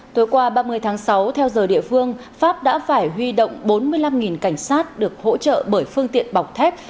tối qua ba mươi tháng sáu theo giờ địa phương pháp đã phải huy động bốn mươi năm cảnh sát được hỗ trợ bởi phương tiện bọc thép